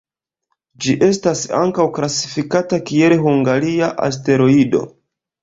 Ĝi estas ankaŭ klasifikata kiel hungaria asteroido.